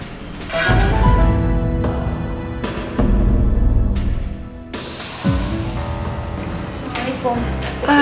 kau bisa lihat